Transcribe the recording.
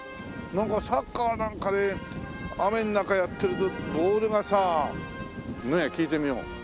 なんかサッカーなんかで雨の中やってるとボールがさ。ねえ聞いてみよう。